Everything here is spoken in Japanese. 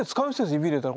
指入れたら。